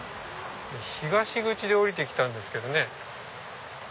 東口で降りて来たんですけどね。